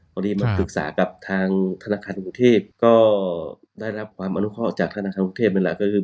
พอดีมาปรึกษากับทางธนาคารกรุงเทพก็ได้รับความอนุเคราะห์จากธนาคารกรุงเทพนี่แหละก็คือ